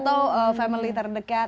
atau family terdekat